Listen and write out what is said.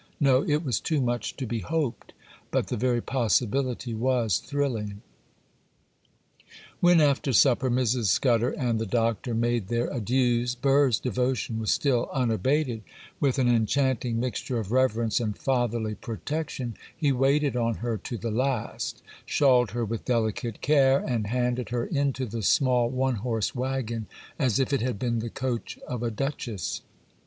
No, it was too much to be hoped; but the very possibility was thrilling. When, after supper, Mrs. Scudder and the Doctor made their adieus, Burr's devotion was still unabated: with an enchanting mixture of reverence and fatherly protection, he waited on her to the last, shawled her with delicate care, and handed her into the small one horse waggon as if it had been the coach of a duchess.